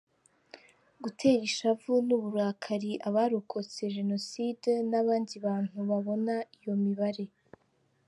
-Gutera ishavu n’uburakari abarokotse Genocide n’abandi bantu babona iyo mibare